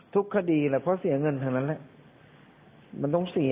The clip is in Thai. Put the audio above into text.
ทุกคดีแหละเพราะเสียเงินทั้งนั้นแหละมันต้องเสีย